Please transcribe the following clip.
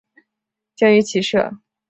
精于骑射。